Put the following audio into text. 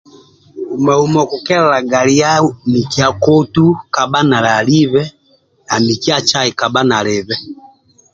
Uma uma okukelelaga nuwa mikia akotu na mikia cai kabha nalibe